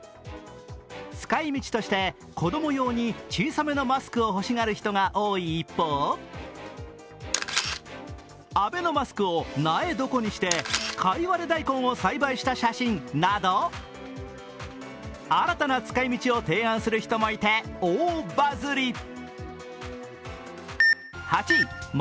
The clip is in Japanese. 使い道として、子供用に小さめのマスクを欲しがる人が多い一方アベノマスクを苗床にしてカイワレ大根を栽培した写真など、新たな使い道を提案する人もいて大バズり。